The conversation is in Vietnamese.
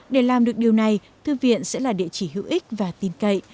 để làm được điều này thư viện sẽ là địa chỉ hữu ích và tin cậy